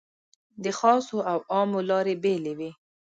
د خاصو او عامو لارې بېلې وې.